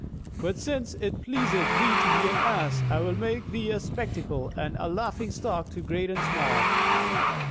But since it pleaseth thee to be an ass, I will make thee a spectacle and a laughing stock to great and small."